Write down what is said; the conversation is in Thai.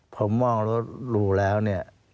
ผมรู้แล้วเนี่ย